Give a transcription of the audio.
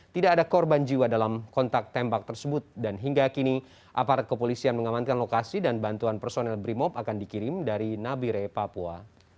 tidak ada korban jiwa dalam kontak tembak tersebut dan hingga kini aparat kepolisian mengamankan lokasi dan bantuan personel brimop akan dikirim dari nabire papua